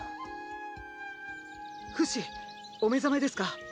フシ！お目覚めですか？